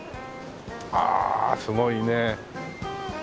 ああすごいね。